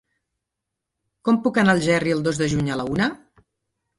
Com puc anar a Algerri el dos de juny a la una?